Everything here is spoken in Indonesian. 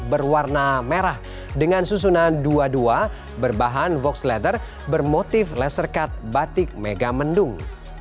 berwarna merah dengan susunan dua dua berbahan vox letter bermotif laser cut batik megamendung